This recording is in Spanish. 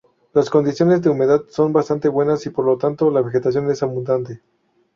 Las condiciones de humedad son bastante buenas y por tanto la vegetación es abundante.